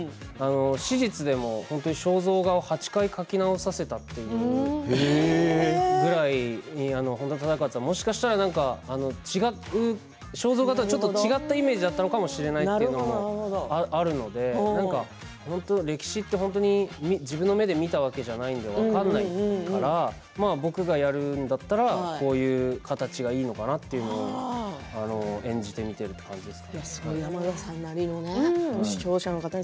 史実でも肖像画を８回描き直させたというくらい本多忠勝とは、もしかしたら肖像画とはちょっと違うイメージだったのかもしれませんよね、そういうのがあるので歴史って自分の目で見たわけじゃないから分かんないから僕がやるんだったらこういう形がいいのかなってそれを演じてみているという感じです。